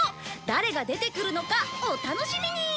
誰が出てくるのかお楽しみに！